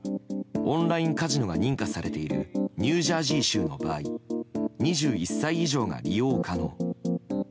オンラインカジノが認可されているニュージャージー州の場合２１歳以上が利用可能。